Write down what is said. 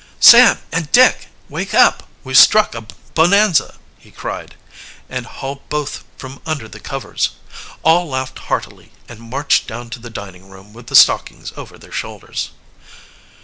"Sam and Dick, wake up, we've struck a bonanza!" he cried, and hauled both from under the covers. All laughed heartily, and marched down to the dining room with the stockings over their shoulders.